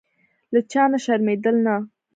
له چا نه شرمېدل نه.